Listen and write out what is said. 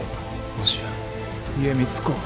もしや家光公は。